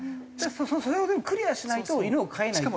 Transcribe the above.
それを全部クリアしないと犬を飼えないっていうのが。